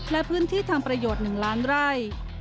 และพื้นที่ทางประโยชน์๑๐๐๐๐๐๐ไร่